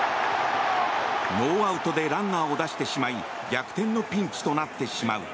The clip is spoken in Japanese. ノーアウトでランナーを出してしまい逆転のピンチとなってしまう。